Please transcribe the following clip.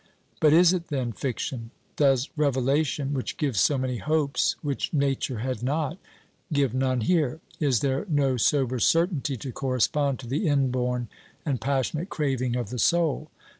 But is it, then, fiction? Does revelation, which gives so many hopes which nature had not, give none here? Is there no sober certainty to correspond to the inborn and passionate craving of the soul?